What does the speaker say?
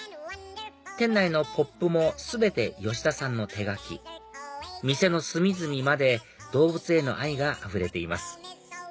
店内のポップも全て吉田さんの手描き店の隅々まで動物への愛があふれています